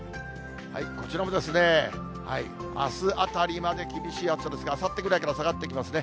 こちらもですね、あすあたりまで厳しい暑さですが、あさってぐらいから下がってきますね。